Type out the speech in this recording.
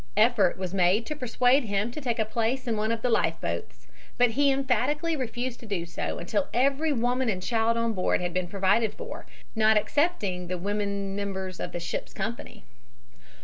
Effort was made to persuade him to take a place in one of the life boats, but he emphatically refused to do so until every woman and child on board had been provided for, not excepting the women members of the ship's company.